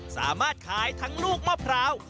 สามารถขายทั้งลูกมะพร้าว